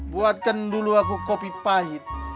buatkan dulu aku kopi pahit